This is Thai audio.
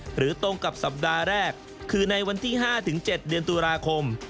ตรงกับสัปดาห์แรกคือในวันที่๕๗เดือนตุลาคม